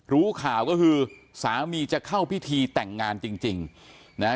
รู้ข่าวก็คือสามีจะเข้าพิธีแต่งงานจริงจริงนะฮะ